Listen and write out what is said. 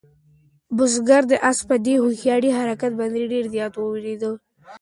بزګر د آس په دې هوښیار حرکت باندې ډېر زیات وویاړېده.